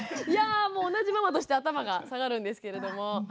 いやぁもう同じママとして頭が下がるんですけれども。